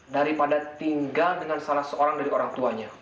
daripada tinggal dengan salah seorang dari orang tuanya